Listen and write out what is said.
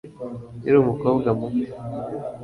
nkiri umukobwa muto